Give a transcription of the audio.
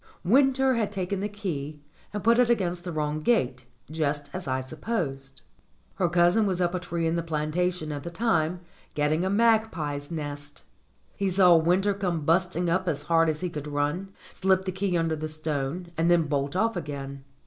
Winter had taken the key and put it against the wrong gate, just as I supposed. Her cousin was up a tree in the plantation at the time, getting a magpie's nest. He saw Winter come busting up as hard as he could run, slip the key under the stone, and then bolt off again.